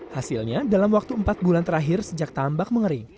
hasilnya dalam waktu empat bulan terakhir sejak tambak mengering